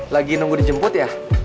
lagi nunggu dijemput ya